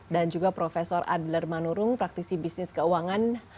dan juga profesor adler manurung praktisi bisnis keuangan